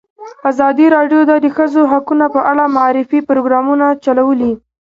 ازادي راډیو د د ښځو حقونه په اړه د معارفې پروګرامونه چلولي.